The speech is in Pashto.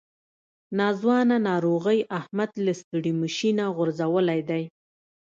ناځوانه ناروغۍ احمد له ستړي مشي نه غورځولی دی.